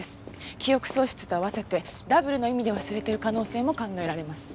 記憶喪失と合わせてダブルの意味で忘れてる可能性も考えられます。